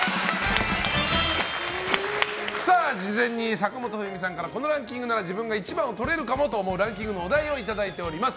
事前に坂本冬美さんからこのランキングなら自分が１番をとれるかもと思うランキングのお題をいただいております。